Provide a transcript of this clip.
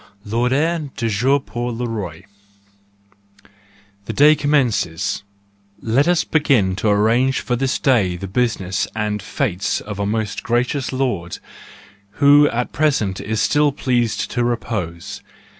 UOrdre du Jour pour le RoL —The day com¬ mences : let us begin to arrange for this day the business and fetes of our most gracious lord, who at present is still pleased to repose.